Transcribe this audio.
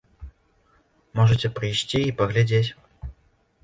Можаце прыйсці і паглядзець.